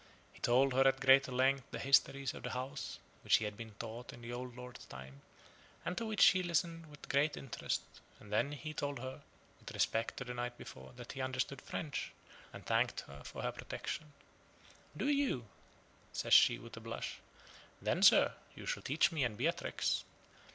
He told her at greater length the histories of the house (which he had been taught in the old lord's time), and to which she listened with great interest; and then he told her, with respect to the night before, that he understood French, and thanked her for her protection. "Do you?" says she, with a blush; "then, sir, you shall teach me and Beatrix."